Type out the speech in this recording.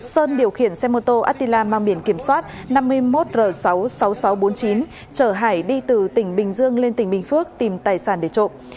sơn điều khiển xe mô tô atila mang biển kiểm soát năm mươi một r sáu mươi sáu nghìn sáu trăm bốn mươi chín chở hải đi từ tỉnh bình dương lên tỉnh bình phước tìm tài sản để trộm